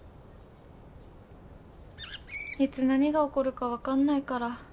いつ何が起こるかわかんないから。